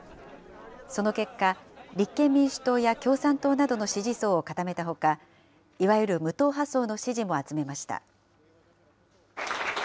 その結果、立憲民主党や共産党などの支持層を固めたほか、いわゆる無党派層の支持も集めました。